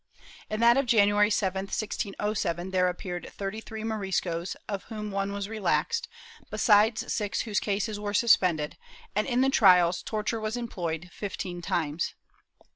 In that of January 7, 1607, there appeared thirty three Moriscos, of whom one was relaxed, besides six whose cases were suspended, and in the trials torture was employed fifteen times.